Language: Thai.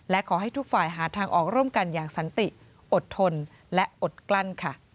และขอให้ทุกฝ่ายหาทางออกร่วมกันอย่างสันติอดทนและอดกลั้น